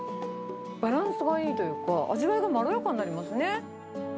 バランスがいいというか、味わいがまろやかになりますね。